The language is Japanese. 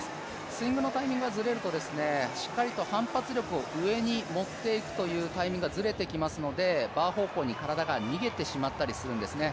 スイングのタイミングがずれるとしっかりと反発力を上に持っていくというタイミングがずれてきますのでバー方向に体が逃げてしまったりするんですね。